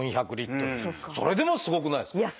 それでもすごくないですか？